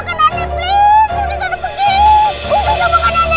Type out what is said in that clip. jangan makan nek